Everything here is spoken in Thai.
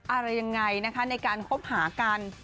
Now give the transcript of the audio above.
อะไรยังไงในการควบหากัน